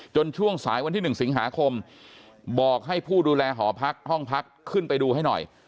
ช่วงสายวันที่๑สิงหาคมบอกให้ผู้ดูแลหอพักห้องพักขึ้นไปดูให้หน่อย